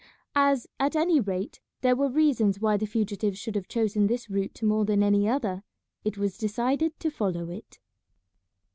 As, at any rate, there were reasons why the fugitives should have chosen this route more than any other, it was decided to follow it.